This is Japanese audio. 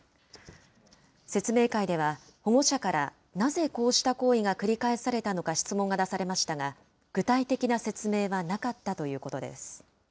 説明会では、保護者からなぜこうした行為が繰り返されたのか質問が出されましたが、具体的な説明はなかったということです。